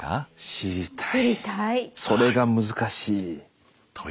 知りたい。